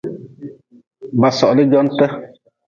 Ba sohli jonte.